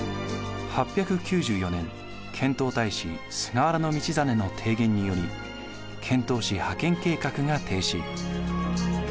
８９４年遣唐大使菅原道真の提言により遣唐使派遣計画が停止。